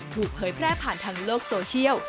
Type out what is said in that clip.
เผยแพร่ผ่านทางโลกโซเชียล